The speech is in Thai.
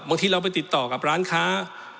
บางทีเราไปติดต่อกับร้านค้า